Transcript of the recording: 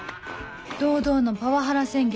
堂々のパワハラ宣言